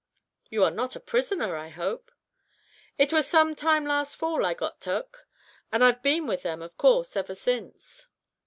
"You are not a prisoner, I hope." "It was some time last fall I got tuk, and I've been with them, of course, ever since."